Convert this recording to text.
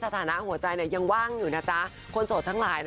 โดยเฉพาะฉันว่าฉันโสดก่อนใคร